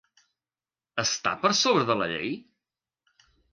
Està per sobre de la llei?